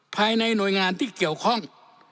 ภายในหน่วยงานที่เกี่ยวข้อง